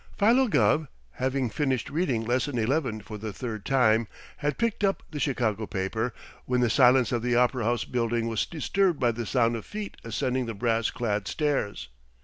Philo Gubb, having finished reading Lesson Eleven for the third time, had picked up the Chicago paper when the silence of the Opera House Building was disturbed by the sound of feet ascending the brass clad stairs.